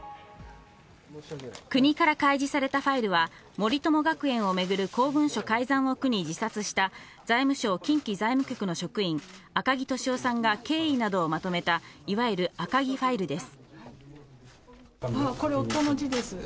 国から開示されたファイルは森友学園をめぐる公文書改ざんを苦に自殺した財務省・近畿財務局の職員、赤木俊夫さんが経緯などをまとめたいわゆる赤木ファイルです。